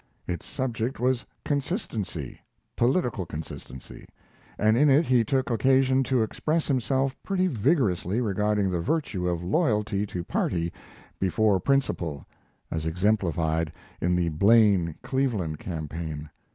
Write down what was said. Its subject was "Consistency" political consistency and in it he took occasion to express himself pretty vigorously regarding the virtue of loyalty to party before principle, as exemplified in the Blaine Cleveland campaign.